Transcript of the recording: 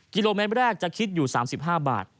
กิโลเมตรแรกจะคิดอยู่๓๕บาท